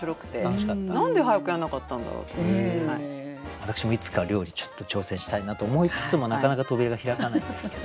私もいつか料理ちょっと挑戦したいなと思いつつもなかなか扉が開かないんですけど。